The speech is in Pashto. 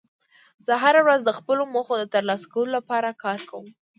زه هره ورځ د خپلو موخو د ترلاسه کولو لپاره کار کوم